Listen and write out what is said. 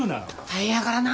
大変やからな。